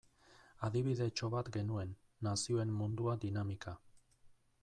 Adibidetxo bat genuen, Nazioen Mundua dinamika.